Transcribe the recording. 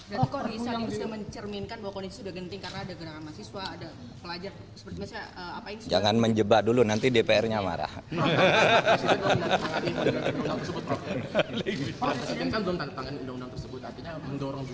jadi kok bisa diusahakan mencerminkan bahwa kondisi sudah genting karena ada gerak mahasiswa ada pelajar